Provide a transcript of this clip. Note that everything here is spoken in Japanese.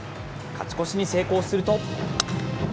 勝ち越しに成功すると。